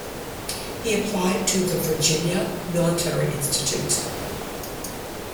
He applied to the Virginia Military Institute.